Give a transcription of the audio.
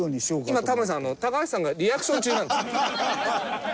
今タモリさんあの高橋さんがリアクション中なんです。